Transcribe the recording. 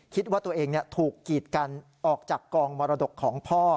คิดว่าตัวเองถูกกีดกันออกจากกองมรดกของพ่อ